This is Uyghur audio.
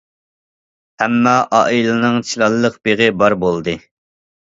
ھەممە ئائىلىنىڭ چىلانلىق بېغى بار بولدى.